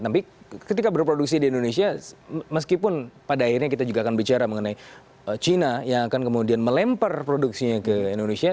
tapi ketika berproduksi di indonesia meskipun pada akhirnya kita juga akan bicara mengenai china yang akan kemudian melempar produksinya ke indonesia